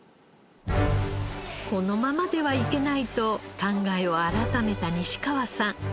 このままではいけないと考えを改めた西川さん。